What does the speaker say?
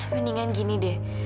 mendingan gini deh